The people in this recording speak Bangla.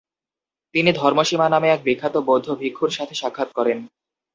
তিনি ধর্মসীমা নামে এক বিখ্যাত বৌদ্ধ ভিক্ষুর সাথে সাক্ষাৎ করেন।